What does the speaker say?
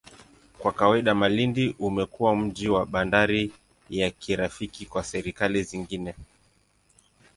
Kwa kawaida, Malindi umekuwa mji na bandari ya kirafiki kwa serikali zingine.